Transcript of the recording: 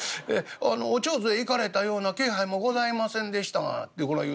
『お手水へ行かれたような気配もございませんでしたが』ってこない言う